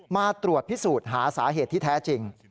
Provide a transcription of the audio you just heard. มาตรวจพิสูจน์หาสาเหตุที่แท้จริง